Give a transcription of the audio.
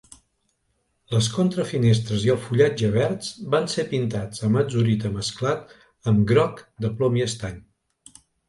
Les contrafinestres i el fullatge verds van ser pintats amb atzurita mesclat amb groc de plom i estany